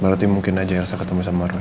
berarti mungkin aja elsa ketemu sama orang